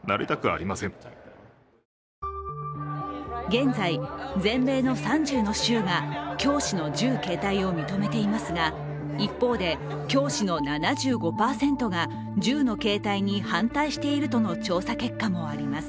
現在、全米の３０の州が教師の銃携帯を認めていますが、一方で教師の７５％が銃の携帯に反対しているとの調査結果もあります。